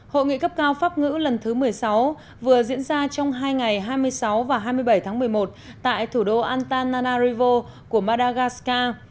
hội nghị cấp cao pháp ngữ lần thứ một mươi sáu vừa diễn ra trong hai ngày hai mươi sáu và hai mươi bảy tháng một mươi một tại thủ đô antan arivo của madagascar